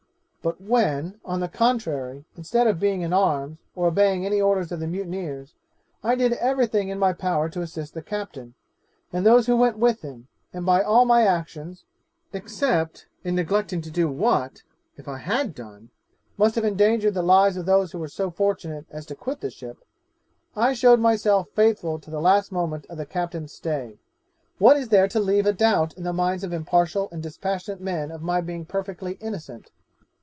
But when, on the contrary, instead of being in arms, or obeying any orders of the mutineers, I did every thing in my power to assist the captain, and those who went with him, and by all my actions (except in neglecting to do what, if I had done, must have endangered the lives of those who were so fortunate as to quit the ship) I showed myself faithful to the last moment of the captain's stay, what is there to leave a doubt in the minds of impartial and dispassionate men of my being perfectly innocent?